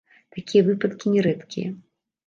Такія выпадкі не рэдкія.